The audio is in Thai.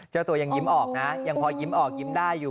เจ้าตัวยังยิ้มออกนะยังพอยิ้มออกยิ้มได้อยู่